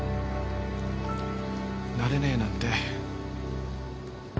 なれねえなんて。